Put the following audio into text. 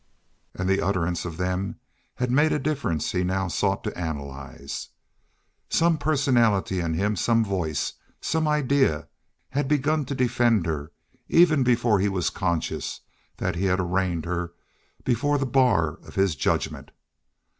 And the utterance of them had made a difference he now sought to analyze. Some personality in him, some voice, some idea had begun to defend her even before he was conscious that he had arraigned her before the bar of his judgment.